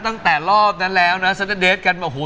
ตั้งแต่รอบนั้นแล้วนะฮะ